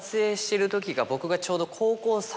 僕がちょうど。